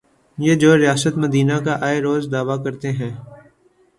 یہ جو ریاست مدینہ کا آئے روز دعوی کرتے ہیں۔